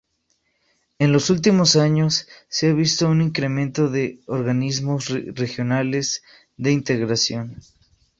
En los últimos años se ha visto un incremento de organismos regionales de integración.